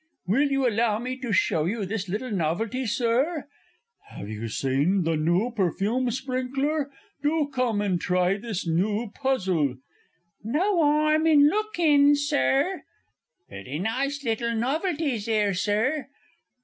Will you allow me to show you this little novelty, Sir? 'Ave you seen the noo perfume sprinkler? Do come and try this noo puzzle no 'arm in lookin', Sir. Very nice little novelties 'ere, Sir!